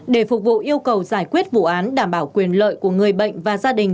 để phục vụ yêu cầu giải quyết vụ án đảm bảo quyền lợi của người bệnh và gia đình